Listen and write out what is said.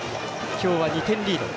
今日は２点リード。